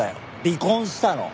離婚したの。